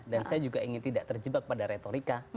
dan saya juga ingin tidak terjebak pada retorika